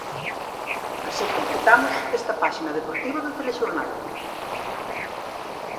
Así completamos esta páxina deportiva do telexornal.